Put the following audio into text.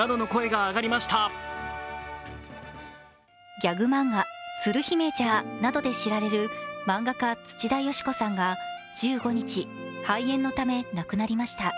ギャグ漫画「つる姫じゃっ！」などで知られる漫画家土田よしこさんが１５日、肺炎のため亡くなりました。